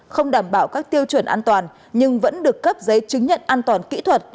không đảm bảo các tiêu chuẩn an toàn nhưng vẫn được cấp giấy chứng nhận an toàn kỹ thuật